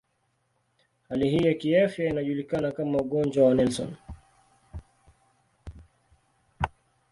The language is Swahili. Hali hii ya kiafya inajulikana kama ugonjwa wa Nelson.